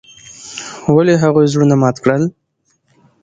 ولې هغوي زړونه مات کړل.